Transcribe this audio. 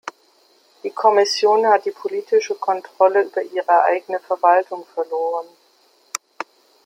Die Kommission hat die politische Kontrolle über ihre eigene Verwaltung verloren.